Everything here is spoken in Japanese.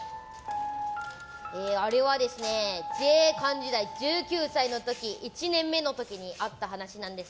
あれは自衛官時代、１９歳の時１年目の時にあった話なんです。